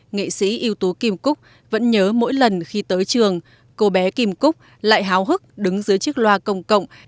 nghệ sĩ yếu tố kim cúc vẫn nhớ mỗi lần khi tới trường cô bé kim cúc lại háo hức đứng dưới chiếc loa công cộng